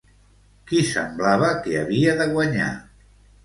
Qui semblava que havia de guanyar?